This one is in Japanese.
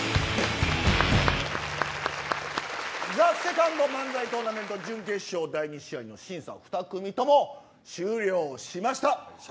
ＴＨＥＳＥＣＯＮＤ漫才トーナメント準決勝第２試合の審査２組とも終了しました。